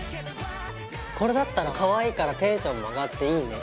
これだったらかわいいからテンションも上がっていいね！